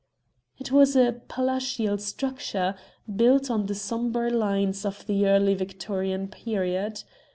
It was a palatial structure, built on the sombre lines of the Early Victorian period.